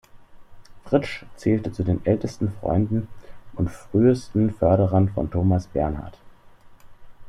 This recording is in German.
Fritsch zählte zu den ältesten Freunden und frühesten Förderern von Thomas Bernhard.